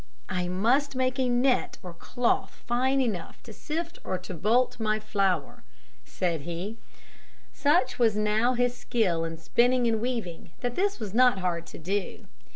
"I must make a net or cloth fine enough to sift or bolt my flour," said he. Such was now his skill in spinning and weaving that this was not hard to do.